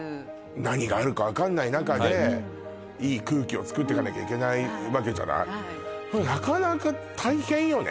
何があるか分からない中でいい空気をつくってかなきゃいけないわけじゃないこれなかなか大変よね